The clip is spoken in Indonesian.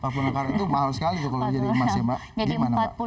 empat puluh enam karat itu mahal sekali kalau jadi emas ya mbak